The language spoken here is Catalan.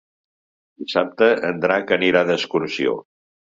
Dissabte en Drac anirà d'excursió.